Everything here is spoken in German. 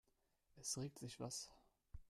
Es regt sich was.